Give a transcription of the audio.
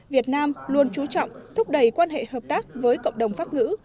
việt nam luôn trú trọng thúc đẩy quan hệ hợp tác với cộng đồng pháp ngữ